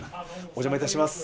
お邪魔いたします。